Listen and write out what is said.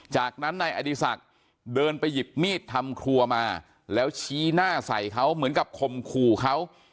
จากนั้นนายอดีศักดิ์เดินไปหยิบมีดทำครัวมาแล้วชี้หน้าใส่เขาเหมือนกับคมขู่เขา